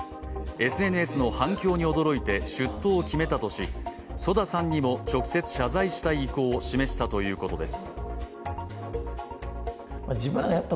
ＳＮＳの反響に驚いて出頭を決めたとし、ＳＯＤＡさんにも直接謝罪したい意向を示したということです。